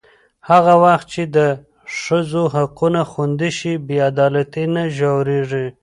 هغه وخت چې د ښځو حقونه خوندي شي، بې عدالتي نه ژورېږي.